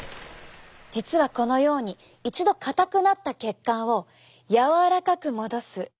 実はこのように一度硬くなった血管を柔らかく戻す。